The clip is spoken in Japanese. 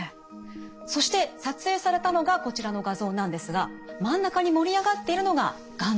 そして撮影されたのがこちらの画像なんですが真ん中に盛り上がっているのががんなんです。